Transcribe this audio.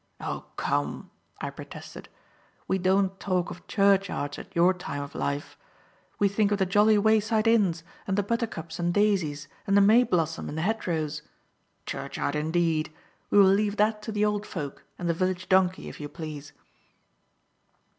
"Oh, come!" I protested, "we don't talk of churchyards at your time of life. We think of the jolly wayside inns and the buttercups and daisies and the may blossom in the hedgerows. Churchyard indeed! We will leave that to the old folk and the village donkey, if you please."